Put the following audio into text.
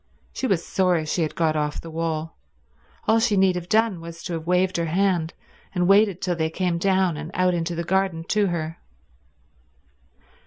She was sorry she had got off the wall. All she need have done was to have waved her hand, and waited till they came down and out into the garden to her.